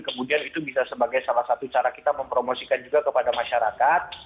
kemudian itu bisa sebagai salah satu cara kita mempromosikan juga kepada masyarakat